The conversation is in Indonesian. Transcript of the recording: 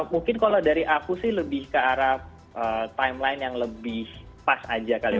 mungkin kalau dari aku sih lebih ke arah timeline yang lebih pas aja kali ya